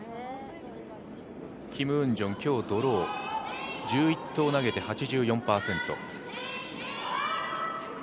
キム・ウンジョン、今日、ドロー、１１投投げて、８４％。